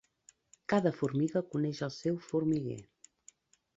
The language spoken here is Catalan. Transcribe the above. Cada formiga coneix el seu formiguer.